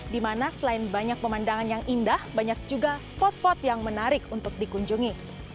di mana selain banyak pemandangan yang indah banyak juga spot spot yang menarik untuk dikunjungi